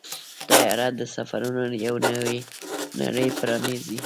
طیاره د سفرونو یو نوې نړۍ پرانیزي.